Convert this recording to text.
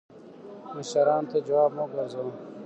مشرانو ته جواب مه ګرځوه